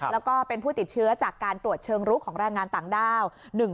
แล้วก็เป็นผู้ติดเชื้อจากการตรวจเชิงลุกของแรงงานต่างด้าว